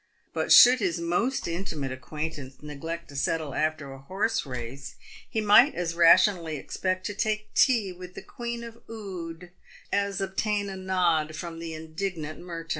But should his most intimate acquaintance neglect to settle after a horse race, he might as rationally expect to take tea with the Queen of Oude as obtain a nod from the indignant Merton.